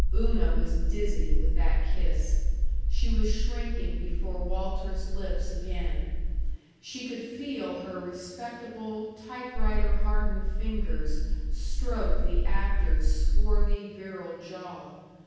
Una was dizzy with that kiss. She was shrinking before Walter's lips again. She could feel her respectable, typewriter hardened fingers stroke the actor's swarthy, virile jaw.